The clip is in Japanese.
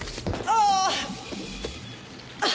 ああ。